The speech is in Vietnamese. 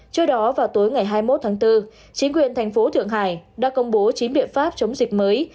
trước đó vào tối ngày hai mươi một tháng bốn chính quyền thành phố thượng hải đã công bố chín biện pháp chống dịch mới